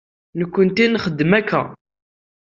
Nekkenti nxeddem akk.